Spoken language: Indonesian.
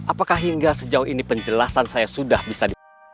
apakah hingga sejauh ini penjelasan saya sudah bisa di